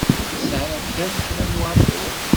Tesɛiḍ kan kra n waḍu.